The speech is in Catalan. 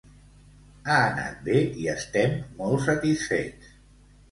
Ha anat bé i estem molt satisfets.